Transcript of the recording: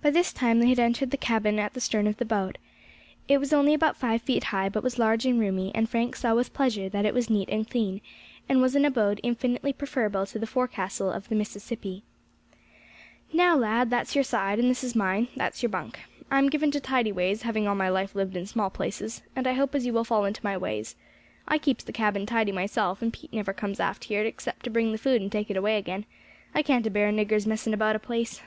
By this time they had entered the cabin at the stern of the boat. It was only about five feet high, but was large and roomy, and Frank saw with pleasure that it was neat and clean, and was an abode infinitely preferable to the forecastle of the Mississippi. "Now, lad, that's your side, and this is mine; that's your bunk. I am given to tidy ways, having all my life lived in small places, and I hope as you will fall into my ways; I keeps the cabin tidy myself, and Pete never comes aft here except to bring the food and take it away again; I can't a bear niggers messing about a place.